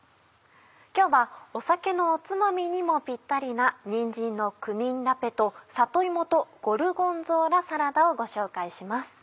今日は酒のつまみにもピッタリな「にんじんのクミンラペ」と「里芋とゴルゴンゾーラサラダ」をご紹介します。